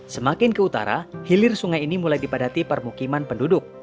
semakin ke utara hilir sungai ini mulai dipadati permukiman penduduk